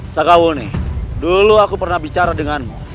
sakawuni dulu aku pernah bicara denganmu